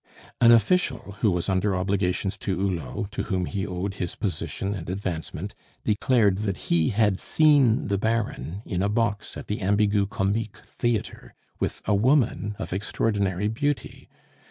An official, who was under obligations to Hulot, to whom he owed his position and advancement, declared that he had seen the Baron in a box at the Ambigu Comique theatre with a woman of extraordinary beauty.